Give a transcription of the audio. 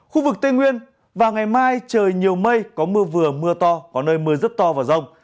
khu vực tây nguyên và ngày mai trời nhiều mây có mưa vừa mưa to có nơi mưa rất to và rông